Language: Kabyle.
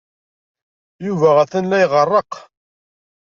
Yuba atan la iɣerreq.